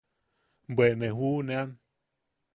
Bwe ne juʼunean.